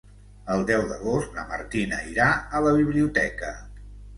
El deu d'agost na Martina irà a la biblioteca.